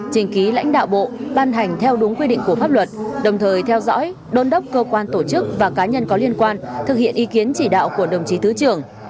trình ký lãnh đạo bộ ban hành theo đúng quy định của pháp luật đồng thời theo dõi đôn đốc cơ quan tổ chức và cá nhân có liên quan thực hiện ý kiến chỉ đạo của đồng chí thứ trưởng